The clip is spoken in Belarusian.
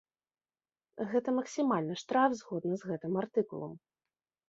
Гэта максімальны штраф згодна з гэтым артыкулам.